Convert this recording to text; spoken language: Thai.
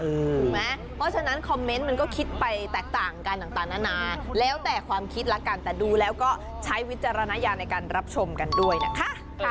ถูกไหมเพราะฉะนั้นคอมเมนต์มันก็คิดไปแตกต่างกันต่างนานาแล้วแต่ความคิดละกันแต่ดูแล้วก็ใช้วิจารณญาณในการรับชมกันด้วยนะคะ